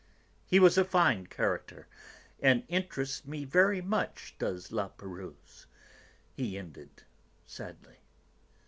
"He was a fine character, and interests me very much, does La Pérouse," he ended sadly.